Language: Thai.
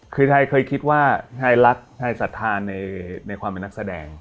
คือไทยเคยคิดว่าไทยรักไทยสัทธาในความเป็นนักแสดง